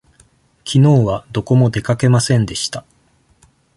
きのうはどこも出かけませんでした。